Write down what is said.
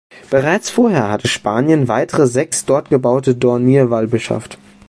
Bereits vorher hatte Spanien weitere sechs dort gebaute Dornier Wal beschafft.